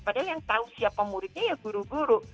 padahal yang tahu siapa muridnya ya guru guru